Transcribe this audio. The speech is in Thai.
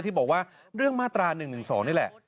ที่บอกว่าเรื่องมาตรา๑๑๒นี่แหละ